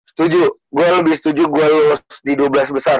setuju gue lebih setuju gue lulus di dua belas besar